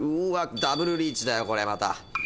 「うわダブルリーチだよこれまた」